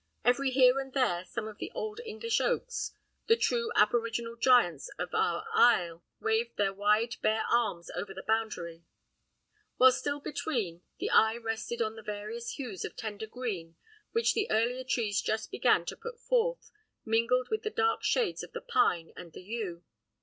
Every here and there some of the old English oaks, the true aboriginal giants of our isle, waved their wide bare arms over the boundary; while still between, the eye rested on the various hues of tender green which the earlier trees just began to put forth, mingled with the dark shades of the pine and the yew.